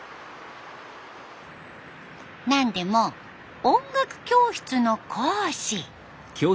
何でも音楽教室の講師。